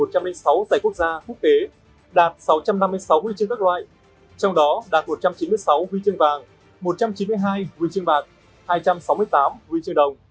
tại asia đạt một mươi chín huy chương trong đó có hai huy chương vàng một huy chương bạc